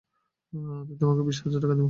আমি তোমাকে বিশ হাজার টাকা দিব।